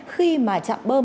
khi mà chạm bơm